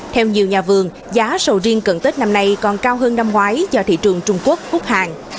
theo nhiều nhà vườn giá sầu riêng cận tết năm nay còn cao hơn năm ngoái do thị trường trung quốc hút hàng